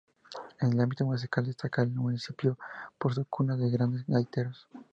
En el ámbito musical, destaca el municipio por ser cuna de grandes gaiteros.